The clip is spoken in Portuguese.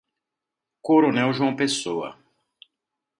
Coronel João Pessoa